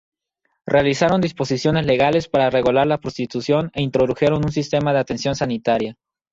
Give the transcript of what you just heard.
Realizaron disposiciones legales para regular la prostitución e introdujeron un sistema de atención sanitaria.